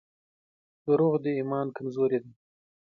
• دروغ د ایمان کمزوري ده.